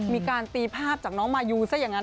มีการตีภาพจากน้องมายูซะอย่างนั้น